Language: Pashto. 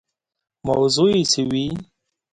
موضوع یې څه وي.